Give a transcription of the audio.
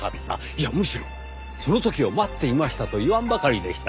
いやむしろその時を待っていましたと言わんばかりでした。